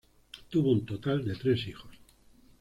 Tuvo un total de tres hijos.